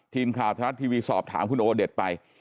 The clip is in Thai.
ทีมข่าวธรรมทางทาวรัสทีวีสอบถามคุณโอเดทไป